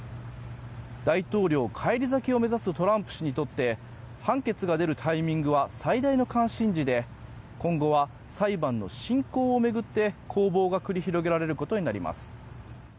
大統領返り咲きを目指すトランプ氏にとって判決が出るタイミングは最大の関心事で今後は裁判の進行を巡って攻防が繰り広げられることになります。